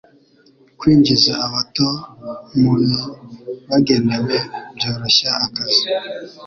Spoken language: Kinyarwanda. kwinjiza abato mu bibagenewe byoroshya akazi